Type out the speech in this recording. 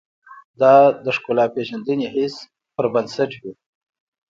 دا د ښکلا پېژندنې حس پر بنسټ وي.